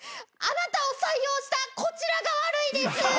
「あなたを採用したこちらが悪いです」